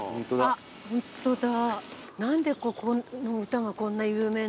あっホントだ。